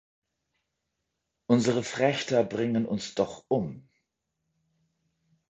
Unsere Frächter bringen uns doch um!